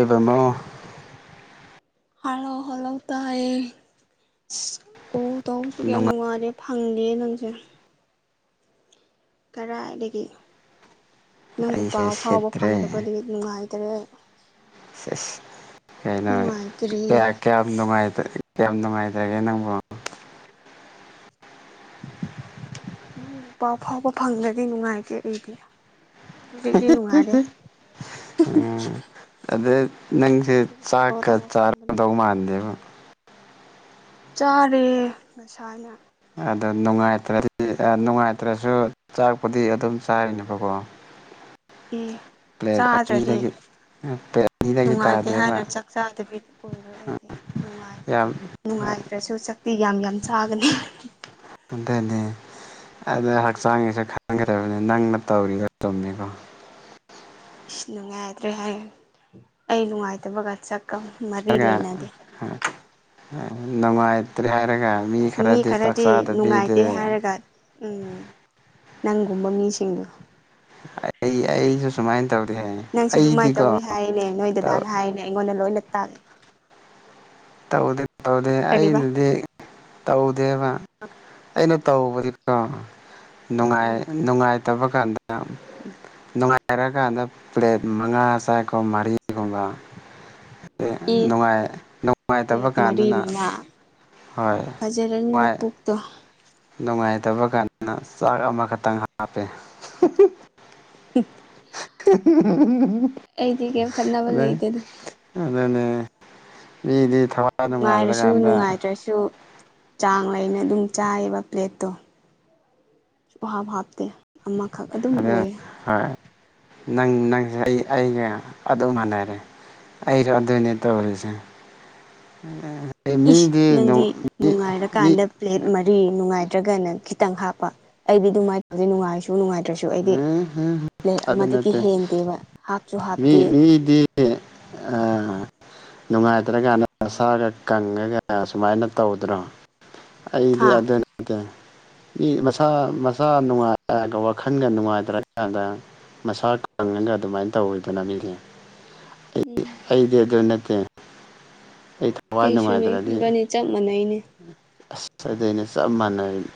ꯦꯕꯦꯝꯃꯣ ꯍꯜꯂꯥꯎ ꯍꯜꯂꯥꯎ ꯇꯥꯏꯌꯦ ꯀ ꯇꯧꯕꯁꯨ ꯌꯥꯝ ꯅꯨꯡꯉꯥꯏ ꯅꯨꯡꯉꯥꯏꯔꯦ ꯐꯪꯂꯤꯌꯦ ꯅꯪꯁꯦ ꯀꯗꯥꯥꯏꯗꯒꯤ ꯅꯪꯕꯨ ꯑꯩꯁꯦ ꯄꯥꯎ ꯐꯥꯎꯕ ꯁꯦꯠꯇ꯭ꯔꯦ ꯐꯪꯗꯕꯗꯒꯤ ꯅꯨꯡꯉꯥꯏꯇ ꯑꯗꯨ ꯑꯦꯁ ꯀꯩꯅꯣ ꯀ ꯀꯌꯥꯝ ꯅꯨꯡꯉꯥꯏꯇ ꯌꯥꯝ ꯅꯨꯡꯉꯥꯏꯖꯔꯒꯦ ꯅꯪꯕꯨ ꯅꯪꯕꯨ ꯄꯥꯎ ꯐꯥꯎꯕ ꯐꯪꯗꯒꯒꯤ ꯅꯨꯡꯉꯥꯏꯇꯦ ꯑꯩꯗꯤ ꯍꯧꯖꯤꯛꯇꯤ ꯅꯨꯡꯉꯥꯏꯔꯦ ꯎꯝ ꯑꯗ ꯅꯪꯁꯦ ꯍꯧꯖꯤꯛꯇꯤ ꯀꯣꯜ ꯆꯥꯛꯀ ꯇꯧꯕ ꯐꯪꯕꯅꯤ ꯆꯥꯔꯒꯗꯧ ꯃꯥꯟꯗꯦꯕ ꯆꯥꯔꯦ ꯃꯁꯥꯅ ꯑꯗꯨ ꯅꯨꯡꯉꯥꯏꯇ꯭ꯔ ꯅꯨꯡꯉꯥꯏꯇ꯭ꯔꯁꯨ ꯆꯥꯛꯄꯨꯗꯤ ꯑꯗꯨꯝ ꯆꯥꯔꯤꯅꯦꯕꯀꯣ ꯑꯦ ꯄ꯭ꯂꯦꯠ ꯆꯥꯗ꯭ꯔꯗꯤ ꯄ꯭ꯂꯦꯠ ꯑꯅꯤꯗꯒꯤ ꯅꯨꯡꯉꯥꯏꯇꯦ ꯍꯥꯏꯅ ꯇꯥꯗꯦꯕ ꯆꯥꯛ ꯆꯥꯗꯕꯤꯗꯤ ꯑꯣꯏꯔꯣꯏ ꯑꯩꯗꯤ ꯌꯥꯝ ꯅꯨꯡꯉꯥꯏꯅꯨꯡꯉ ꯉꯥꯏꯈ꯭ꯔꯁꯨ ꯁꯛꯇꯤ ꯌꯥꯝ ꯌꯥꯝ ꯆꯥꯒꯅꯤ ꯑꯅꯤ ꯑꯗ ꯍꯛꯆꯥꯡꯒꯤꯁꯦ ꯈꯪꯈ꯭ꯔꯕꯅꯤ ꯅꯪꯅ ꯇꯧꯔꯤꯒ ꯆꯨꯝꯃꯤꯀꯣ ꯏꯁ ꯅꯨꯡꯉꯥꯏꯇ꯭ꯔꯦ ꯍꯥꯏ ꯑꯩ ꯅꯨꯡꯉꯥꯏꯇꯕꯒ ꯆ ꯃꯔꯤ ꯂꯩꯅꯗꯦ ꯅꯃꯥꯏꯇꯔꯤ ꯌꯥꯔꯒ ꯃꯤ ꯈꯔꯗꯤ ꯅꯨꯡꯉꯥꯏꯇꯦ ꯍꯥꯏꯔꯒ ꯎꯝ ꯅꯪꯒꯨꯝꯕ ꯃꯤꯁꯤꯡꯗꯣ ꯑꯩ ꯑꯩꯁꯨ ꯁꯨꯃꯥꯏꯅ ꯇꯧ ꯅꯪꯁꯨ ꯑꯗꯨꯃꯥꯏꯅ ꯇꯧꯋꯤ ꯍꯥꯏꯅꯦ ꯅꯣꯏ ꯗꯗꯥꯅ ꯍꯥꯏꯔꯤꯅꯦ ꯑꯩꯉꯣꯟꯗ ꯂꯣꯏꯅ ꯇꯥꯒꯦ ꯇꯧꯗꯦ ꯇꯧꯗꯦ ꯀꯔꯤꯕ ꯑꯩꯅꯗꯤꯧ ꯑꯗꯨꯕ ꯑꯩꯅ ꯇꯧꯕꯗꯤꯀꯣ ꯎꯝ ꯅꯨꯡꯉꯥꯏꯇꯕ ꯀꯗꯥꯝ ꯅꯨꯡꯉꯥꯏꯔꯀꯥꯟꯗ ꯄ꯭ꯂꯦꯠ ꯃꯉꯥ ꯆꯥꯛꯀꯨꯝꯕ ꯃꯔꯤꯒꯨꯝꯕ ꯏ ꯅꯨꯡꯉꯥꯏ ꯅꯨꯡꯉꯥꯏꯇꯕ ꯄ꯭ꯂꯦꯠ ꯃꯔꯤ ꯀꯥꯟꯗꯅ ꯃꯉꯥ ꯍꯣꯏ ꯐꯖꯔꯅꯤꯅ ꯅꯨꯡꯉꯥꯏ ꯄꯨꯣꯛꯇꯣ ꯅꯨꯡꯉꯥꯏꯇꯕ ꯀꯥꯟꯗꯅ ꯆꯥꯛ ꯑꯃꯈꯛꯇꯪ ꯍꯥꯞꯄꯦ [inaudible] ꯎꯝ ꯑꯩꯗꯤꯒꯦ ꯀꯅꯥꯕ ꯂꯩ ꯂꯩꯗꯦ ꯑꯗꯨ ꯑꯗꯨꯅꯦꯗꯤ ꯅꯨꯡꯉꯥꯏꯔꯁꯨ ꯅꯨꯡꯉꯥꯏꯇ꯭ꯔꯁꯨ ꯆꯥꯡ ꯂꯩꯅ ꯑꯗꯨꯝ ꯆꯥꯏꯌꯦꯕ ꯄ꯭ꯂꯦꯠꯇꯣ ꯍꯥꯞ ꯍꯥꯞꯇꯦ ꯑꯃꯈꯛ ꯑꯗꯨꯝ ꯑꯗ ꯑꯣꯏ ꯍꯣꯏ ꯅꯪ ꯅꯪꯁꯦ ꯑꯩ ꯑꯩꯒ ꯑꯗꯨꯝ ꯃꯥꯟꯅꯔꯦ ꯑꯩꯔꯣ ꯑꯗꯨꯅꯦ ꯇꯧꯔꯤꯁꯦ ꯏꯁ ꯃꯤꯗꯤ ꯅꯪꯗꯤ ꯃꯤ ꯃꯤ ꯅꯨꯡꯉꯥꯏꯔꯀꯥꯟꯗ ꯄ꯭ꯂꯦꯠ ꯃꯔꯤ ꯅꯨꯡꯉꯥꯏ ꯅꯠꯇ꯭ꯔꯒꯅ ꯈꯤꯇꯪ ꯍꯥꯞꯄ ꯑꯩꯗꯤ ꯑꯗꯨꯃꯥꯏꯅ ꯇꯧꯕꯦ ꯅꯨꯡꯉꯥꯏꯔꯁꯨ ꯅꯨꯡꯉꯥꯏꯇ꯭ꯔꯁꯨ ꯑꯩꯗꯤ ꯄ꯭ꯂꯦꯠ ꯑꯗꯨ ꯑꯃꯗꯒꯤ ꯅꯠꯇ‌ꯦ ꯍꯦꯟꯗꯦꯕ ꯍꯥꯞꯁꯨ ꯍꯥꯞꯇꯦ ꯃꯤ ꯃꯤꯗꯤ ꯑꯥ ꯅꯨꯡꯉꯥꯏꯇ꯭ꯔꯒ ꯅꯁ‌ꯥ ꯀꯪꯉꯒ ꯁꯨꯃꯥꯏꯅ ꯇꯧꯗꯅꯥ ꯑꯩꯗꯤ ꯍꯥ ꯑꯗꯨ ꯅꯠꯇꯦ ꯃꯤ ꯃꯁꯥ ꯃꯁꯥ ꯅꯨꯡꯉꯥꯏꯇꯕꯥ ꯋꯥꯈꯟꯒꯥ ꯅꯨꯡꯉꯥꯏꯇ꯭ꯔꯀꯥꯟꯗ ꯃꯁꯥ ꯈꯪꯉꯒ ꯑꯗꯨꯃꯥꯏꯅ ꯇꯧꯔꯤꯕꯅꯤ ꯃꯤꯒꯤ ꯎꯝ ꯑꯩꯗꯤ ꯑꯗꯨ ꯅꯠꯇꯦ ꯑꯩ ꯊꯋꯥꯏ ꯑꯩꯁꯨꯅꯦ ꯅꯨꯡꯉꯥꯏꯇ꯭ꯔꯗꯤ ꯏꯕꯥꯅꯤ ꯆꯞ ꯃꯥꯟꯅꯩꯅꯦ ꯑꯥ ꯑꯗꯨꯅꯦ ꯆꯞꯃꯥꯅꯔꯩ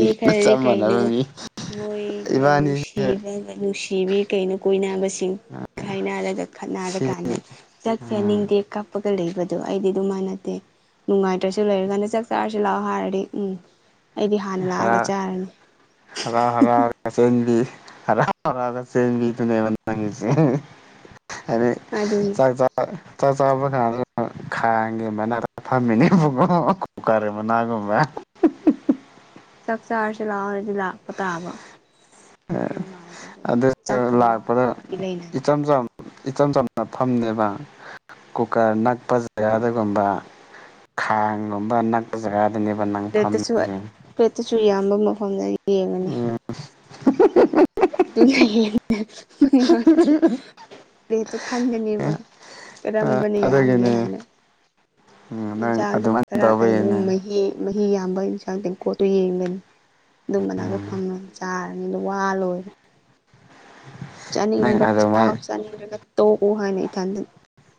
ꯃꯤ ꯈꯔꯗꯤ ꯀꯩꯅꯥ ꯃꯣꯏꯒ ꯏꯕꯥꯅꯤꯁꯦ ꯅꯨꯡꯁꯤꯕ ꯅꯨꯡꯁꯤ ꯅꯨꯕꯤ ꯀꯩꯅꯥ ꯀꯣꯏꯅꯥꯕꯁꯤ ꯆꯤꯡ ꯈꯥꯏꯅꯔꯒꯥ ꯁꯤ ꯈꯠꯅꯔꯀꯥꯟꯗ ꯆꯠ ꯎꯝ ꯆꯅꯤꯡꯗꯦ ꯀꯥꯄ ꯂꯩꯕꯗꯣ ꯑꯩꯗꯤ ꯑꯗꯨꯝ ꯃꯥꯅꯠꯇ ꯅꯨꯡꯉꯥꯏꯇ꯭ꯔꯁꯨ ꯂꯩꯔꯀꯥꯟꯗ ꯆꯥꯛ ꯆꯥꯔꯁꯤ ꯂꯥꯛꯑꯣ ꯍꯥꯏꯔꯗꯤ ꯎꯝ ꯍꯥꯟꯅ ꯍꯔ ꯂꯥꯛꯑꯒ ꯆꯥꯔꯅꯤ ꯍꯔꯥꯎ ꯍꯔꯥꯎ ꯀꯆꯦꯟꯕꯤ ꯍꯔꯥꯎ ꯍꯔꯥꯎ ꯃꯤꯇꯅꯕꯁꯤ [unintelligible] ꯍꯥꯏꯗꯤ ꯑꯗꯨꯅꯤ ꯆꯥꯛ ꯆꯥꯔꯒ ꯆꯥꯕ ꯀꯥꯟꯗ ꯈꯥꯡꯒꯤ ꯃꯅꯥ ꯊꯝꯃꯤꯅꯤ ꯎꯀꯥꯔꯦ ꯃꯅꯥꯒꯨꯝꯕꯅ ꯆꯛꯆꯥꯔꯁꯤ ꯂꯥꯛꯑ ꯍꯥꯏꯔꯗꯤ ꯂꯥꯛꯄꯥ ꯇꯥꯕ ꯅꯨꯡꯉꯥꯏꯔꯦ ꯑꯗꯨꯁꯨ ꯆꯥꯛꯀ ꯑꯃꯒ ꯂꯥꯛꯄꯗ ꯃꯔꯤ ꯂꯩꯅꯗꯩ ꯏꯆꯝ ꯆꯝ ꯏꯆꯝ ꯆꯝꯅ ꯐꯝꯅꯦꯕꯥ ꯀꯨꯀꯔ ꯅꯛꯄ ꯖꯒꯥꯗꯗꯒꯨꯝꯕ ꯑꯗꯨꯒꯨꯝꯕ ꯈꯥꯡꯒꯨꯝꯕ ꯅꯛ ꯎꯝ ꯄ꯭ꯂꯦꯠꯇꯁꯨ꯫ ꯄ꯭ꯂꯦꯠꯇꯁꯨ ꯏꯌꯥꯝꯕ ꯃꯐꯝꯗ ꯌꯦꯡꯉꯅꯤ ꯎꯝ [unintelligible] [inaudible] ꯑꯗꯨꯅ ꯍꯦꯟꯅ ꯈꯪꯒꯅꯦꯕꯥ ꯀꯔꯝꯕꯅꯥ ꯌꯥꯝꯒꯦ ꯑꯗꯨꯒꯤꯅꯦ ꯍꯥꯏꯅꯥ ꯎꯝ ꯅꯪ ꯌꯦꯟꯁꯥꯡꯁꯨ ꯑꯗꯨꯃꯥꯏꯅ ꯈꯔ ꯀꯩꯅꯣ ꯇꯧꯕꯒꯤꯅꯦ ꯃꯍꯤ ꯃꯍꯤ ꯌꯥꯝꯕ ꯏꯟꯁꯥꯡ ꯇꯦꯡꯀꯣꯠꯇꯨ ꯌꯦꯡꯒꯅꯤ ꯑꯗꯨꯝꯕ ꯃꯅꯥꯒ ꯎꯝ ꯐꯪꯉꯗꯤ ꯆꯥꯔꯗꯤ ꯋꯥ ꯂꯣꯏꯔꯦ ꯅꯪ ꯆꯥꯅꯤꯡꯕ ꯆꯥꯎ ꯑꯗꯨꯃꯥꯏꯅ ꯆꯥꯅꯤꯡꯗ꯭ꯔꯒ ꯇꯣꯛꯎ ꯍꯥꯏꯅ ꯏꯊꯟꯗ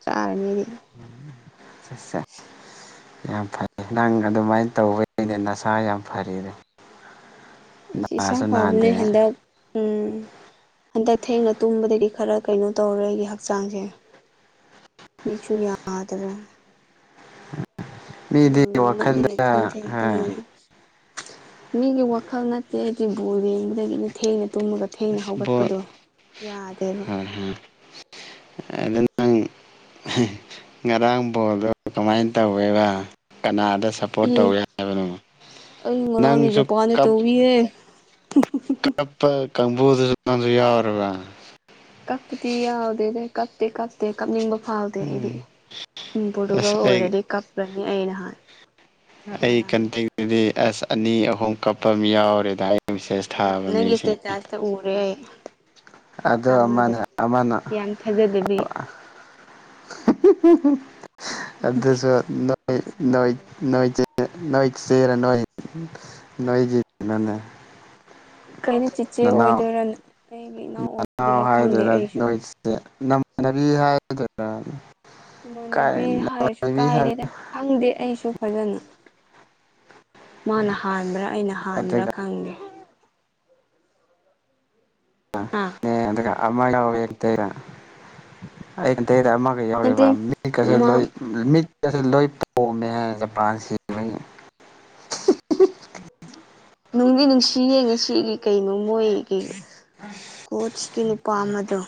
ꯆꯥꯔꯅꯤ [inaudible] [unintelligible] [unintelligible] ꯌꯥꯝ ꯐꯩ ꯅ ꯑꯗꯨꯃꯥꯏꯅ ꯇꯧꯕꯩꯅꯦ ꯅꯁꯥ ꯌꯥꯝ ꯐꯔꯤꯗꯨ ꯏꯁꯥ ꯍꯋꯥꯕꯨ ꯍꯦꯗ ꯎꯝ [unintelligible] [inaudible] ꯍꯟꯗꯛ ꯊꯦꯡꯅ ꯇꯨꯝꯕꯗꯗꯤ ꯈꯔ ꯀꯩꯅꯣ ꯇꯧꯔꯦ ꯍꯛꯆꯥꯡꯁꯦ ꯃꯤꯠꯁꯨꯨ ꯌꯥꯗꯥꯔꯦ ꯃꯤꯗꯤ ꯣꯜꯒꯦꯝꯃꯒꯂ ꯋꯥꯈꯜꯗ ꯊꯅꯗ [unintelligible] ꯃꯤꯒꯤ ꯋꯥꯈꯜ ꯅꯠꯇꯦ ꯑꯩꯗꯤ ꯕꯣꯟꯌꯩꯡꯕꯗꯒꯤꯅ ꯊꯦꯡꯅꯥ ꯇꯨꯝꯃꯥꯒ ꯊꯦꯡꯅ ꯕꯣꯜ ꯍꯧꯒꯠꯄꯗꯣ ꯌꯥꯗꯦꯕꯥ ꯑꯗꯨ ꯅꯪ ꯉꯔꯥꯡ ꯕꯣꯅꯗꯨ ꯀꯃꯥꯏꯅ ꯇꯧꯋꯦꯕ ꯀꯅꯥꯗ ꯁꯞꯄꯣꯔꯠ ꯎꯝ ꯇꯧꯋꯦ ꯍꯥꯏꯕꯅ ꯑꯩ ꯉꯔꯥꯡꯗꯤ ꯅꯪꯁꯨ ꯖꯄꯥꯟꯗ ꯀꯞꯄꯩ ꯇꯧꯋꯤꯍꯦ ꯀꯄ ꯀꯕꯨꯨꯗꯨꯁꯨ ꯌꯥꯎꯔꯕꯥ ꯀꯛꯄꯗꯤ ꯌꯥꯎꯗꯦ ꯀꯞꯇꯤ ꯀꯞꯄꯇꯩ ꯀꯅꯤꯡꯕꯗꯤ ꯐꯥꯎꯗꯦ ꯑꯩꯗꯤ ꯎꯝ ꯑꯁ ꯄꯔꯗꯨꯒꯟ ꯑꯩ ꯑꯣꯏꯔꯗꯤ ꯀꯥꯞꯄꯅꯤ ꯑꯩ ꯅꯍꯥꯟ ꯑꯩ ꯉꯔꯥꯡꯗꯣ ꯀꯟꯇꯗꯨꯗꯤ ꯑꯁ ꯑꯅꯤ ꯑꯍꯨꯝ ꯀꯞꯄ ꯑꯃ ꯌꯥꯎꯔꯦꯗ ꯃꯩꯁꯩꯁ ꯎꯝ ꯊꯥꯕ ꯅꯪꯒꯤ ꯃꯤꯁꯤꯡꯅꯤ ꯏꯁꯇꯦꯇꯥꯁꯇ ꯎꯔꯦ ꯑꯩ ꯑꯗꯣ ꯑꯃꯗꯣ ꯑꯃꯅ ꯑꯃꯅ ꯌꯥꯝ ꯊꯥꯖꯗꯕꯤ ꯑꯗꯨꯁꯨ ꯅꯣꯏꯋꯩ ꯃꯁꯛꯇꯨꯒ ꯅꯣꯏ ꯆꯦꯅ ꯅꯣꯏ ꯅꯣꯏꯒꯤ ꯃꯅꯦ ꯀꯩꯅꯣ ꯆꯤꯆꯦ ꯅꯅꯥꯎ ꯑꯣꯏꯗꯣꯏꯔꯥ ꯑꯩꯒꯤ ꯏꯅꯥꯎ ꯅꯅꯥꯎ ꯑꯣꯏꯗꯣꯏꯔꯥ ꯈꯪꯗꯦ ꯍꯥꯏꯗ꯭ꯔꯦꯔꯥ ꯑꯩꯁꯨ ꯅꯣꯏ ꯆꯦ ꯅꯃꯥꯟꯅꯕꯤ ꯍꯥꯏꯒꯗ꯭ꯔꯤꯔꯥ ꯏꯃꯥꯟꯅꯕꯤ ꯍꯥꯏꯔꯁꯨ ꯍꯥꯏ ꯀꯥꯏꯔꯦꯗ ꯈꯪꯗꯦ ꯑꯩꯁꯨ ꯐꯖꯅꯥ ꯃꯥꯅ ꯍꯥꯟꯕ꯭ꯔꯥ ꯑꯩꯅ ꯍꯥꯟꯕ꯭ꯔꯥ ꯑꯗꯨꯒ ꯈꯪꯗꯦ ꯍꯥ ꯃꯒ ꯌꯦ ꯇ ꯑꯃꯒ ꯅꯠꯇꯦ ꯌꯥꯎꯔꯤꯕ ꯃꯤꯒꯁꯨ ꯃꯥ ꯂꯣꯏ ꯃꯤꯠ ꯂꯣꯏ ꯄꯣꯝꯃꯦ ꯖꯄꯥꯟ ꯁꯤ ꯅꯨꯡꯗꯤ ꯅꯨꯡꯁꯤ ꯌꯦꯡꯉꯤ ꯁꯤꯒꯤ ꯀꯩꯅꯣ ꯃꯣꯏꯒꯤ ꯀꯣꯁꯀꯤ ꯅꯨꯄꯥ ꯑꯃꯗꯣ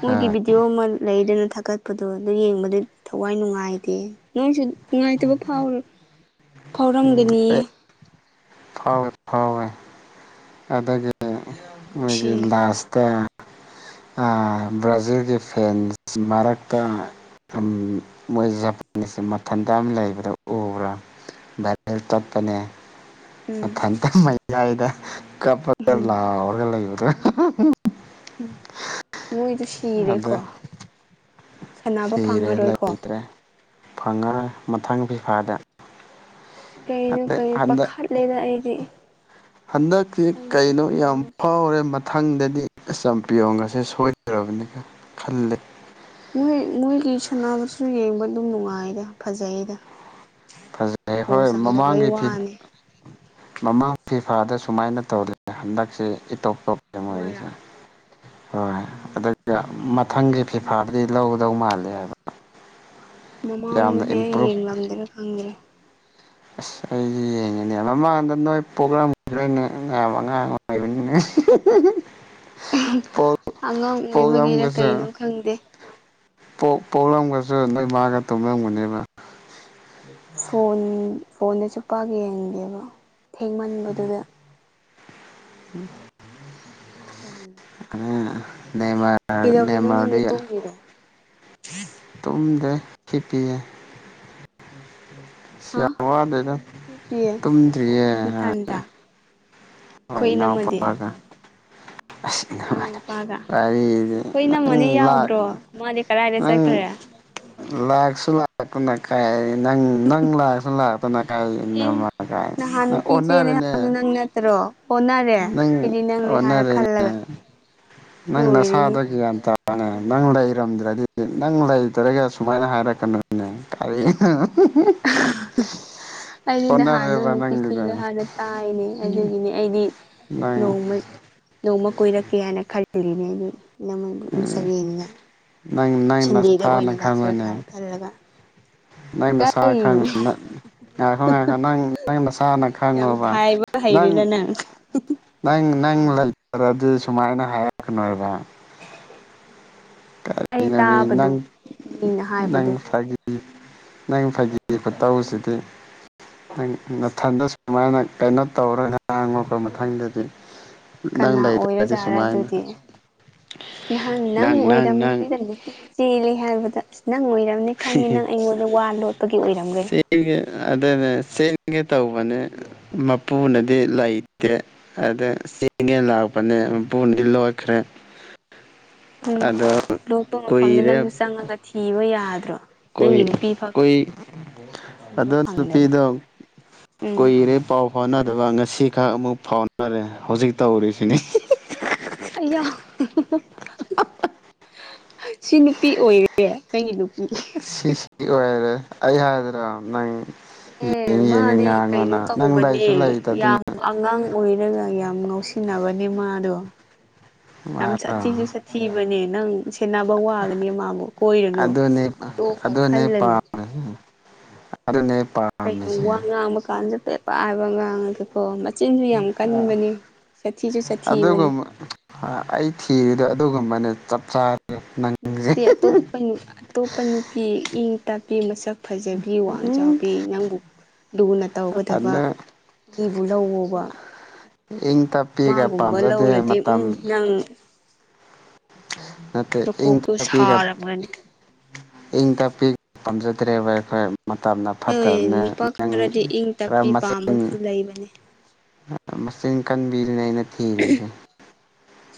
ꯃꯣꯏꯒꯤ ꯑ ꯚꯤꯗꯤꯑꯣ ꯑꯃ ꯂꯩꯗꯅ ꯊꯥꯒꯠꯄꯗꯣ ꯑꯗꯨ ꯌꯦꯡꯕꯗꯤ ꯊꯋꯥꯏ ꯅꯨꯡꯉꯥꯏꯇꯦ ꯅꯣꯏꯁꯨ ꯅꯨꯡꯉꯥꯏꯇꯕ ꯐꯥꯎꯔꯦ ꯐꯥꯎꯔꯝꯒꯅꯤꯌꯦ ꯊꯥꯎ ꯊꯥꯎ ꯑꯗꯒꯤ ꯃꯣꯏꯒꯤ ꯂꯥꯁꯇ ꯎ ꯕ꯭ꯔꯥꯖꯤꯜꯒꯤ ꯐꯦꯟ ꯃꯔꯛꯇ ꯃꯣꯏ ꯖꯄꯥꯟꯁꯦ ꯃꯊꯟꯇ ꯑꯃ ꯂꯩꯕꯗ ꯎꯕ꯭ꯔꯥ ꯚꯦꯜ ꯆꯠꯄꯅꯦ ꯎꯝ ꯃꯊꯟꯇ ꯃꯌꯥꯏꯗ ꯀꯄꯂꯔꯒꯂ ꯏꯗ꯭ꯔ ꯃꯏ ꯇꯨ ꯑꯗ ꯁꯤꯔꯦꯀꯣ ꯁꯥꯟꯅꯕ ꯁꯤꯔꯦ ꯐꯪꯉꯔꯣꯏꯀꯣ ꯂꯩꯇ꯭ꯔꯦ ꯐꯪꯉꯔꯣꯏ ꯃꯊꯪ ꯐꯤꯐꯥꯗ ꯀꯩꯅꯣ ꯑꯗꯩ ꯀꯣ ꯄꯥꯈꯥꯠꯂꯗ ꯑꯩꯗꯤ ꯍꯟꯗꯛꯁꯤ ꯑꯩꯅ ꯀꯩꯅꯣ ꯁꯞꯄꯣꯔꯠ ꯌꯥꯝ ꯇꯧꯕ ꯐꯥꯎꯔꯦ ꯃꯊꯪꯗꯗꯤ ꯆꯝꯄꯤꯌꯣꯟꯒꯁꯦ ꯁꯣꯏꯗꯔꯕꯅꯤꯒ ꯈꯜꯂꯦ ꯃꯣꯏ ꯃꯣꯏꯒꯤ ꯁꯥꯟꯁꯤꯁꯨ ꯌꯦꯡꯕ ꯑꯗꯨꯝ ꯅꯨꯡꯉꯥꯏꯗ ꯐꯖꯩꯗ ꯐꯖꯩꯦ ꯒꯣꯜ ꯍꯣꯏ ꯆꯪꯗꯕꯩ ꯃꯃꯥꯡꯒꯤ ꯐꯤ ꯋꯥꯅꯤ ꯃꯃꯥꯡ ꯐꯤ ꯑꯐꯥꯗ ꯁꯨꯃꯥꯏꯅ ꯇꯧꯔꯤ ꯍꯟꯗꯛꯁꯦ ꯏꯇꯣꯞ ꯄ꯭ꯔꯣꯕ꯭ꯂꯦꯝ ꯃꯣꯏꯔꯥ ꯑꯣꯏꯔꯤꯁꯦ ꯍꯣꯏ ꯑꯗꯨ ꯃꯊꯪꯒꯤ ꯐꯤꯐꯥꯗꯤ ꯂꯧꯒꯗꯧ ꯃꯥꯂꯦ ꯍꯥꯏꯕ ꯌꯥꯝꯅ ꯃꯃꯥꯡꯗꯨꯗꯤ ꯑꯩ ꯏꯝꯄ꯭ꯔꯨꯞ ꯌꯦꯡ ꯉꯝꯗꯦꯅ ꯈꯪꯗ꯭ꯔꯦ ꯑꯁ ꯑꯩ ꯌꯦꯡꯉ‌ꯦꯅ‌ꯦ ꯃꯥꯃꯥꯡ [unintelligible] ꯄ꯭ꯔ‌ꯣꯒ꯭ꯔꯥꯝ ꯑꯉꯥꯡ [unintelligible] ꯑꯉꯥꯡ ꯑꯣꯏꯕꯒꯤꯔ ꯄꯣꯛꯂꯝꯒꯁꯨ ꯀꯩꯅꯣ ꯈꯪꯗꯦ ꯄꯣꯛꯂꯝꯒꯁꯨ ꯅꯣꯏ ꯃꯥꯒ ꯇꯨꯝꯂꯝꯝꯒꯅꯦꯕ ꯐꯣꯟ ꯐꯣꯟꯗꯁꯨ ꯄꯥꯛ ꯌꯦꯡꯒꯦꯕ ꯊꯦꯡꯃꯟꯕꯗꯨꯗ ꯎꯝ ꯑ ꯅꯃ ꯀꯩꯗꯧꯔꯤꯅꯣ ꯅꯪꯗꯤ ꯅꯦꯃꯔꯤ ꯇꯨꯝꯃꯤꯔꯣ ꯇꯨꯝꯗ ꯈꯤꯞꯄꯤꯑ ꯍꯥ ꯁꯌꯥꯋꯥꯗꯗ ꯍꯤꯞꯄꯤꯌꯦ ꯇꯨꯝꯗ꯭ꯔꯤꯌꯦ ꯅꯊꯟꯇ ꯍꯣꯏ ꯑꯩꯈꯣꯏ ꯏꯅꯥꯎ ꯏꯅꯝꯃꯗꯤ ꯄꯔꯒ ꯑꯁ [unintelligible] ꯏꯅꯥꯎ ꯅꯨꯄꯥꯒ ꯑꯩꯈꯣꯏ ꯅꯪ ꯏꯅꯝꯃꯗꯤ ꯌꯥꯎꯗ꯭ꯔꯣ ꯃꯥꯗꯤ ꯀꯗꯥꯏꯗ ꯅꯪ ꯆꯠꯈ꯭ꯔꯦ ꯂꯥꯛꯁꯨ ꯂꯥꯛꯅ ꯀꯥꯏ ꯅꯪ ꯅꯪ ꯂꯥꯛꯑꯁꯨ ꯂꯥꯛꯇꯅ ꯀꯥꯏ ꯀꯥꯏ [unintelligible] ꯑꯦ ꯅꯪ ꯑꯣꯟꯅꯔꯦꯅꯦ ꯑꯣ [unintelligible] ꯅꯪ ꯑꯣꯟꯅꯔꯦꯅꯦ ꯅꯪ ꯂꯣꯏꯔꯦꯍꯦ ꯅꯁꯥꯗ ꯒ꯭ꯌꯥꯟ ꯇꯥ ꯅꯪ ꯂꯩꯔꯝꯗ꯭ꯔꯗꯤ ꯅꯪ ꯂꯩꯇ꯭ꯔꯒ ꯁꯨꯃꯥꯏꯅ ꯍꯥꯏꯔꯛꯀꯅꯣꯅꯦ ꯀꯔꯤ ꯑꯩꯗꯤ ꯅꯍꯥꯟꯅ ꯅꯪ ꯑꯣꯟꯅꯔꯦꯕ ꯅꯪꯒꯤꯗꯣ ꯅꯨꯄꯤꯆꯦꯂꯦ ꯍꯥꯏꯅ ꯇꯥꯏꯅꯦ ꯑꯗꯨꯒꯤꯅꯦ ꯑꯩ ꯑꯩꯗꯤ ꯅꯪ ꯅꯣꯡꯃ ꯅꯣꯡꯃ ꯀꯣꯏꯔꯛꯀꯦ ꯍꯥꯏꯅ ꯈꯜꯂꯤꯜꯂꯤꯅꯦ ꯑꯩꯗꯤ [unintelligible] ꯁꯔꯦꯅꯤꯅ ꯅꯪ ꯅꯪ ꯅꯁꯅ ꯈꯪꯉꯅꯦ ꯈꯜꯂꯒ ꯅꯪ ꯃꯁꯥ ꯀꯔꯤꯅꯣ ꯈꯪ ꯉꯥꯏꯈꯣ ꯉꯥꯏꯈꯣ ꯅꯪ ꯅꯪ ꯅꯁꯥꯅ ꯌꯥꯝ ꯈꯪꯉꯣꯕ [unintelligible] ꯅꯪ ꯅꯪ ꯅꯪ ꯂꯩꯇꯔꯗꯤ ꯁꯨꯃꯥꯏꯅ ꯍꯥꯏꯔꯛꯀꯅꯣꯕ ꯑꯩ ꯀꯃꯤ ꯇꯥꯕꯗꯣ ꯅꯪ ꯃꯤꯅ [unintelligible] ꯍꯥꯏꯕꯗꯣ ꯅꯪ ꯐꯒꯤꯣꯠꯇꯧꯁꯤꯗꯤ ꯃꯊꯟꯗ ꯁꯨꯃꯥꯏꯅ ꯀꯩꯅꯣ ꯇꯧꯔ ꯍꯥꯡꯉꯛꯄ ꯃꯊꯪꯗꯗꯤ ꯀꯅꯥ ꯅꯪ ꯂꯩꯇ꯭ꯔꯗꯤ ꯑꯣꯏꯔꯖꯥꯠꯔꯥ ꯁꯨꯃꯥꯏꯅ ꯑꯗꯨꯗꯤ ꯅꯍꯥꯟ ꯅꯪ ꯑꯣꯏꯔꯝ ꯗ ꯅꯨꯄꯤ ꯆꯦꯜꯂꯤ ꯍꯥꯏꯕꯗ ꯑꯁ ꯅꯪ ꯑꯣꯏꯔ ꯈꯪꯉꯤ ꯅꯪ ꯑꯩꯉꯣꯟꯗ ꯋꯥ ꯂꯣꯠꯄꯒꯤ ꯑꯣꯏꯔꯝꯒꯅꯤ ꯆꯦꯟꯒꯦ ꯑꯗꯨꯅꯦ ꯆꯦꯟꯒꯦ ꯇꯧꯕꯅꯦ ꯃꯄꯨꯅꯗꯤ ꯂꯩꯇꯦ ꯑꯗ ꯆꯦꯡꯉꯦ ꯂꯥꯛꯄꯅꯦ ꯃꯄꯨꯗꯤ ꯂꯣꯏꯠꯈ꯭ꯔꯦ ꯎꯝ [unintelligible] ꯎꯝ ꯂꯣꯛꯄ ꯃꯐꯝꯗꯨ ꯀꯨꯏꯔꯦ ꯅꯪꯁꯨ ꯆꯪꯉꯒ ꯊꯤꯕ ꯌꯥꯗ꯭ꯔꯣ ꯀꯨꯏ ꯅꯪꯒꯤ ꯅꯨꯄꯤ ꯐꯛ ꯀꯨꯏ ꯊꯤꯕ ꯑꯗꯣ ꯐꯪꯗꯕ ꯅꯨꯄꯤꯗꯣ ꯎꯝ ꯀꯨꯏꯔꯦ ꯄꯥꯎ ꯐꯥꯎꯅꯗꯕ ꯉꯁꯤꯈꯛ ꯑꯃꯨꯛ ꯐꯥꯎꯅꯔꯦ ꯍꯧꯖꯤꯛ ꯇꯧꯔꯤꯁꯤꯅꯤ ꯑꯩꯌꯥ ꯁꯤ ꯅꯨꯄꯤ ꯑꯣꯏꯔꯦ ꯅꯒꯤ ꯅꯨ ꯁꯤꯁꯤ ꯑꯣꯏꯔꯦ ꯑꯩ ꯍꯥꯏꯗ꯭ꯔꯥ ꯅꯪ ꯑꯦ ꯌꯦꯡ ꯌꯦꯡꯉ ꯃꯥꯗꯤ ꯀꯩꯅꯣ ꯉꯥꯡꯉꯣꯅ ꯅꯪ ꯇꯧꯕꯅꯦ ꯂꯩꯁꯨ ꯂꯩꯇꯗꯅ ꯌꯥꯝ ꯑꯉꯥꯡ ꯑꯣꯏꯔꯒ ꯌꯥꯝ ꯉꯥꯎꯁꯤꯟꯅꯕꯅꯦ ꯃꯥꯗꯣ ꯌꯥꯝ ꯁꯥꯊꯤꯁꯨ ꯁꯥꯊꯤꯕꯅꯦ ꯅꯪ ꯁꯦꯟꯅꯕ ꯋꯥꯒꯅꯦ ꯃꯥꯕꯨ ꯀꯣꯏꯔꯅꯨ ꯑꯗꯨꯅꯦ ꯇꯣ ꯑꯗꯨꯅꯦ ꯈꯜꯂꯅꯨ ꯄꯥꯝ ꯑꯗꯨꯅꯦ ꯀꯩꯅꯣ ꯄꯥꯝꯃꯤꯁꯦ ꯋꯥ ꯉꯥꯡꯕ ꯀꯥꯟꯗ ꯄꯦꯠꯄ ꯍꯥꯏꯕ ꯉꯥꯡꯉꯒꯦꯀꯣ ꯃꯆꯤꯟꯁꯨ ꯌꯥꯝ ꯀꯟꯕꯅꯤ ꯑꯗꯨꯒ ꯑꯩ ꯊꯤꯔꯤꯗꯣ ꯑꯗꯨꯒꯨꯝꯕꯅꯦ ꯆꯞ ꯆ ꯅꯠꯇꯦ ꯑꯇꯣꯞꯄ ꯑꯇꯣꯞꯄ ꯅꯨꯄꯤ ꯏꯪ ꯇꯥꯛꯄꯤ ꯃꯁꯛ ꯐꯖꯕꯤ ꯋꯥꯡꯖꯥꯎ ꯄꯤ ꯅꯪꯕꯨ ꯂꯨꯅ ꯇꯧꯒꯗꯕ ꯑꯗꯨ ꯃꯤꯕꯨ ꯂꯧꯋꯣꯕ ꯏꯪ ꯇꯞꯄꯤꯒ ꯃꯥꯒꯨꯝꯕ ꯄꯥꯝꯖꯗꯦ ꯂꯧꯔꯗꯤ ꯃꯇꯝ ꯎꯝ ꯅꯪ ꯅꯇꯦ ꯏꯪ ꯅꯀꯣꯛꯇꯨ ꯇꯞꯄꯤꯒ ꯁꯥꯔꯝꯒꯅꯤ ꯏꯪ ꯇꯞꯄꯤ ꯄꯥꯝꯖꯗ꯭ꯔꯦꯕ ꯑꯩꯈꯣꯏ ꯃꯇꯝꯅ ꯍꯣꯏ ꯐꯠꯇꯕꯅ ꯅꯨꯄꯥ ꯅꯪ ꯈꯔꯗꯤ ꯏꯪ ꯈꯔ ꯇꯞꯄꯤ ꯃꯆꯤꯟ ꯄꯥꯝꯕꯁꯨ ꯂꯩꯕꯅꯦ ꯃꯆꯤꯟ ꯀꯟꯕꯤꯔꯤꯅꯦ ꯑꯩꯅ ꯊꯤꯔꯤꯁꯦ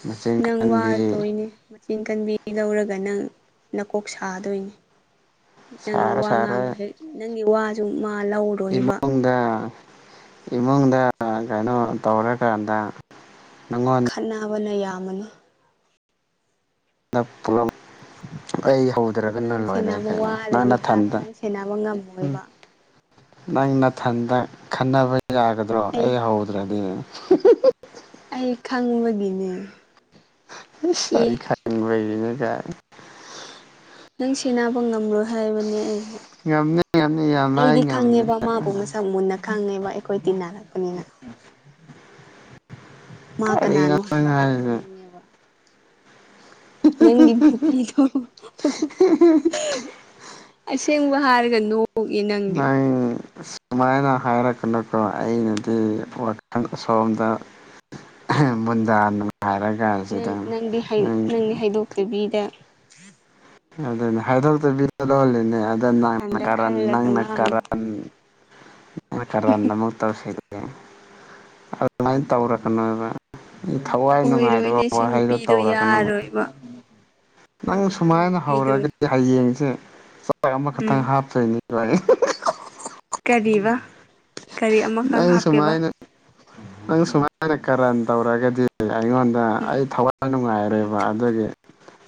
ꯃꯆꯤꯟ ꯅꯪ ꯀꯟꯕꯤ ꯋꯥꯗꯣꯏꯅꯦ ꯆꯤꯡ ꯀꯟꯕꯤ ꯂꯧꯔꯒ ꯅꯪ ꯅꯀꯣꯛ ꯁꯥꯗꯣꯏꯅꯤ ꯅꯪꯅ ꯁꯥꯔ ꯋꯥ ꯉꯥꯡꯕ ꯁꯥꯔ ꯍꯦꯛ ꯅꯪꯒꯤ ꯋꯥꯁꯨ ꯂꯧꯔꯣꯏꯕ ꯏꯃꯨꯡꯗ ꯏꯃꯨꯡꯗ ꯀꯩꯅꯣ ꯇꯧꯔꯀꯥꯟꯗ ꯅꯪꯉꯣꯟꯗ ꯈꯠꯕꯅ ꯌꯥꯝꯃꯅꯤ ꯅꯠꯄꯨꯔꯝ ꯑꯩ ꯍꯧꯗ꯭ꯔꯒꯅ ꯅꯪ ꯂꯣꯏꯔꯦ ꯁꯦꯟꯅꯕ ꯀꯩꯅꯣ ꯅꯪ ꯋꯥꯔꯅꯤ ꯍꯥꯏꯕ ꯅꯊꯟꯗ ꯅꯪ ꯁꯦꯟꯅꯕ ꯎꯝ ꯉꯝꯃꯣꯏꯕ ꯅꯪ ꯅꯊꯟꯇ ꯈꯟꯅꯕ ꯌꯥꯒꯗ꯭ꯔꯣ ꯑꯩ ꯍꯧꯗ꯭ꯔꯗꯤ [unintelligible] ꯑꯩ ꯈꯪꯕꯒꯤꯅꯦ ꯆꯥꯏ ꯑꯦ ꯈꯪꯅꯤꯡꯕ ꯏꯅꯒ ꯅꯪ ꯁꯦꯟꯅꯕ ꯉꯝꯂꯣꯏ ꯍꯥꯏꯕꯅꯦ ꯑꯩ ꯉꯝꯅꯤ ꯉꯝꯅꯤ ꯌꯥꯝ ꯂꯥꯏ ꯑꯩꯗꯤ ꯉꯝꯅꯤ ꯈꯪꯉꯦꯕ ꯃꯥꯕꯨ ꯃꯁꯛ ꯃꯨꯟꯅ ꯈꯪꯉꯦꯕ ꯑꯩꯈꯣꯏ ꯇꯤꯟꯅꯔꯛꯄꯅꯤꯅ [unintelligible] ꯃꯥ ꯀꯅꯥꯅꯣ ꯀꯔꯤꯅꯣ ꯅꯪ ꯍꯥꯏꯕ ꯑꯩ ꯍꯥꯏꯁꯦ ꯈꯪꯉꯦꯕ ꯅꯪ ꯏ ꯄꯤꯗꯣ ꯑꯁꯦ ꯎꯒ ꯍꯥꯔꯒꯣ ꯅ ꯁꯃꯥꯏꯅ ꯍꯥꯏꯔꯛꯀꯅꯀꯣ ꯑꯩꯅꯗꯤ ꯋꯥꯈꯜ ꯁꯣꯝꯗ ꯎꯝ ꯨꯟꯗꯥꯅ ꯍꯥꯏꯔꯒꯁꯤꯗ ꯅꯪ ꯅꯪꯗꯤ ꯎ ꯎꯝ ꯑꯗꯨꯅꯦ ꯍꯥꯏꯗꯣꯛꯇꯕꯤꯗ ꯂꯣꯜꯂꯤꯅꯦ ꯑꯗ ꯅꯪ ꯃꯊꯟꯗ ꯀ ꯈꯜꯂꯒ ꯅꯪꯅ ꯀꯔ ꯉꯥꯡꯉꯨ ꯀꯔꯗ ꯑꯃꯛ ꯇꯧꯁꯤꯒꯦ ꯑꯗꯨꯃꯥꯏꯅ ꯇꯧꯔꯛꯀꯅꯣꯕ ꯊꯋꯥꯏ ꯅꯨꯡꯉꯥꯏꯗꯕ ꯑꯣꯏꯔꯣꯏꯅꯦ ꯁꯤ ꯋꯥꯍꯩꯗꯣ ꯅꯨꯄꯤꯗꯣ ꯇꯧꯔꯛꯒꯅ ꯌꯥꯔꯣꯏꯕ ꯅꯪ ꯅꯪꯅ ꯍꯥꯏꯕ ꯁꯨꯃꯥꯏꯅ ꯍꯧꯔꯒꯗꯤ ꯅꯨꯄꯤꯗꯨ ꯍꯌꯦꯡꯁꯦ ꯆꯥꯛ ꯑꯃꯈꯛꯇꯪ ꯎꯝ ꯍꯥꯞꯇꯣꯏꯅꯤ ꯀꯔꯤꯕ ꯀꯔꯤ ꯑꯃꯈꯛ ꯅꯪ ꯍꯥꯞꯀꯦꯕ ꯁꯨꯃꯥꯏꯅ ꯅꯪ ꯁꯨꯃꯥꯏꯅ ꯀꯔ ꯇꯕ꯭ꯔꯒꯗꯤꯦ ꯑꯩꯉꯣꯟꯗ ꯑꯩ ꯎꯝ ꯊꯋꯥꯏ ꯎꯝ ꯅꯨꯡꯉꯥꯏꯔꯣꯏꯕ ꯑꯗꯨꯗꯒꯤ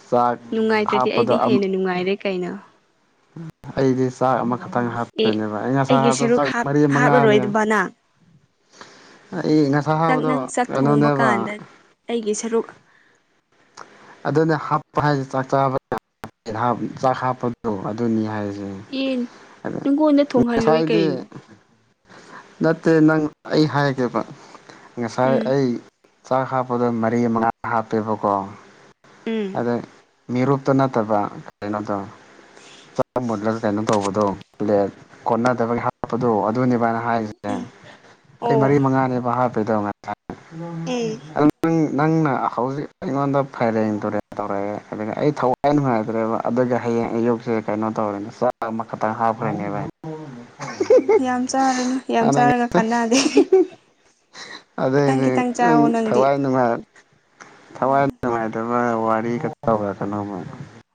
ꯆꯥꯛ ꯅꯨꯡꯉꯥꯏꯇ꯭ꯔꯗꯤ ꯑꯩꯗꯤ ꯑꯃ ꯍꯦꯟꯅ ꯅꯨꯡꯉꯥꯏꯔꯦ ꯀꯩꯅꯣ ꯑꯩꯗꯤ ꯆꯥꯛ ꯑꯃꯈꯛꯇꯪ ꯑꯦ ꯍꯥꯞꯇꯣꯏꯅꯦꯕ ꯑ ꯉꯁꯥ ꯑꯩꯒꯤ ꯍꯥꯕꯗ ꯁꯔꯨꯛ ꯆꯥꯛ ꯍꯥꯞ ꯃꯔꯤ ꯃꯉꯥꯅꯦ ꯍꯥꯞꯂꯔꯣꯏꯗꯕ ꯅꯪ ꯑꯩ ꯉꯁꯥ ꯆꯥꯛ ꯍꯥꯕꯗꯣ ꯅꯪ ꯆꯥꯛ ꯊꯣꯡꯕ ꯀꯩꯅꯣꯅꯦꯕ ꯀꯥꯟꯗ ꯑꯩꯒꯤ ꯁꯔꯨꯛ ꯑꯗꯨꯅ ꯍꯥꯞꯄ ꯍꯥꯏꯁꯦ ꯆꯥꯛ ꯆꯥꯕ ꯆꯥꯛ ꯍꯥꯞꯄꯗꯣ ꯑꯗꯨꯅꯤ ꯍꯥꯏꯁꯦ ꯏꯟ ꯑ ꯅꯪꯉꯣꯟꯗ ꯊꯣꯡꯍꯜꯂꯣꯏ ꯉꯁꯥꯏꯗꯤ ꯀꯩꯅꯣ ꯅꯠꯇꯦ ꯅꯪ ꯑꯩ ꯍꯥꯏꯒꯦꯕ ꯉꯁꯥꯏ ꯎꯝ ꯑꯩ ꯆꯥꯛ ꯍꯥꯞꯄꯗꯣ ꯃꯔꯤ ꯃꯉꯥ ꯍꯥꯞꯄꯦꯕꯀꯣ ꯎꯝ ꯑꯗ ꯃꯤꯔꯨꯞꯇ ꯅꯠꯇꯕ ꯀꯔꯤꯩꯅꯣꯗꯣ ꯃꯨꯠꯂꯒ ꯀꯩꯅꯣ ꯇꯧꯕꯗꯣ ꯀꯣꯟꯅꯗꯕꯒꯤ ꯍꯥꯞꯄꯗꯣ ꯑꯗꯨꯅꯤꯚꯥꯏꯅ ꯍꯥꯏꯁꯦ ꯑꯩ ꯃꯔꯤ ꯑꯣ ꯃꯉꯥꯅꯦꯕ ꯍꯥꯞꯄꯤꯗꯧ ꯎꯝ ꯉꯁꯥꯏꯪ ꯅꯪꯅ ꯍꯧꯖꯤꯛ ꯑꯩꯉꯣꯟꯗ ꯐꯔꯦꯡ ꯇꯨꯔꯦ ꯇꯧꯔꯛꯑꯦ ꯑꯗꯨꯗꯒꯤ ꯑꯩ ꯊꯋꯥꯏ ꯅꯨꯡꯉꯥꯏꯇ꯭ꯔꯦꯕ ꯑꯗꯨꯒ ꯍꯌꯦꯡ ꯑꯌꯨꯛꯁꯦ ꯀꯩꯅꯣ ꯇꯧꯔꯦꯅ ꯑꯃꯈꯛꯇꯪ ꯍꯥꯞꯈ꯭ꯔꯅꯦꯦꯚꯥꯏ ꯎꯝ ꯌꯥꯝ ꯆꯥꯔꯨꯅꯨ ꯌꯥꯝ ꯆꯥꯔꯒ ꯀꯥꯟꯅꯗꯦ ꯑꯗꯨꯗ ꯈꯤꯇꯪ ꯑꯅꯦ ꯈꯤꯇꯪ ꯅꯪ ꯆꯥꯋꯣ ꯅꯪꯗꯤ ꯊꯋꯥꯏ ꯅꯨꯡꯉꯥꯏ ꯊꯋꯥꯏ ꯅꯨꯡꯥꯏ ꯅꯨꯡꯉꯥꯏꯇꯕ ꯋꯥꯔꯤ ꯈꯕ ꯀꯅꯣꯃ